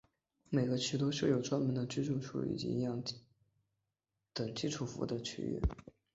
每个区都设有专门的居住区以及提供营养补给等基础服务的区域。